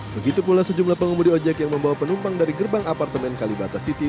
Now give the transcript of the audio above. begitu pula sejumlah pengemudi ojek yang membawa penumpang dari gerbang apartemen kalibata city